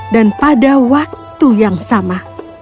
dan pada waktu yang sama